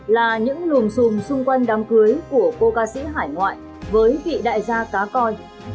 là những luồng xùm xung quanh đám cưới của cô ca sĩ hải ngoại với vị đại gia cá coi